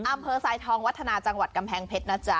ทรายทองวัฒนาจังหวัดกำแพงเพชรนะจ๊ะ